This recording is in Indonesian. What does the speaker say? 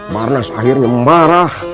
barnas akhirnya membarah